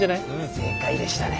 正解でしたね。